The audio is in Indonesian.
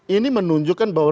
ini menunjukkan bahwa